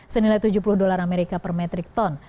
senilai tujuh puluh dolar amerika per metrik ton